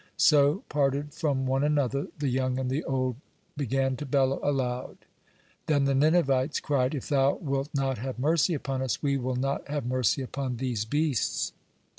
So parted from one another, the young and the old began to bellow aloud. Then the Ninevites cried: "If Thou wilt not have mercy upon us, we will not have mercy upon these beasts."